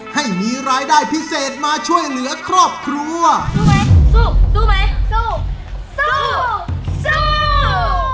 ให้มีรายได้พิเศษมาช่วยเหลือครอบครัวสู้ไหมสู้สู้ไหมสู้สู้สู้